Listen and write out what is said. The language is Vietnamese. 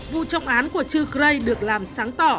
vụ trọng án của chư gre được làm sáng tỏ